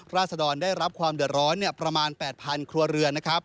ราศดรได้รับความเดือดร้อนประมาณ๘๐๐ครัวเรือนนะครับ